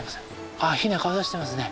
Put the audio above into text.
あヒナ顔出してますね。